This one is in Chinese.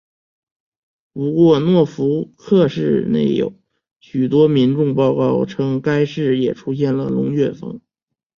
不过诺福克市内有许多民众报告称该市也出现了龙卷风。